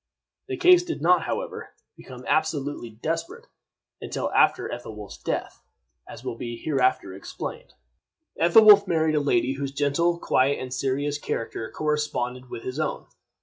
The case did not, however, become absolutely desperate until after Ethelwolf's death, as will be hereafter explained. Ethelwolf married a lady whose gentle, quiet, and serious character corresponded with his own.